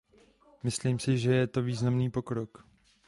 Myslím si, že je to významný pokrok.